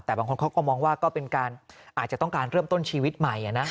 แต่บางคนเขาก็มองว่าก็เป็นการอาจจะต้องการเริ่มต้นชีวิตใหม่นะ